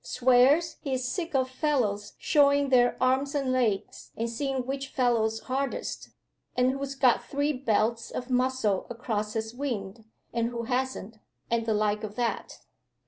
Swears he's sick of fellows showing their arms and legs, and seeing which fellow's hardest, and who's got three belts of muscle across his wind, and who hasn't, and the like of that.